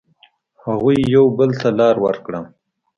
هغوی یو بل ته لاره ورکړه.